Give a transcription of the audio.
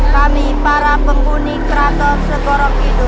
kami para penghuni keraton segorok hidup